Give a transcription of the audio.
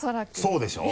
そうでしょ？